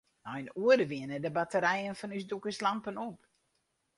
Nei in oere wiene de batterijen fan ús dûkerslampen op.